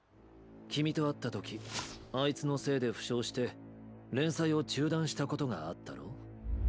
君と会った時あいつのせいで負傷して連載を中断したことがあったろう？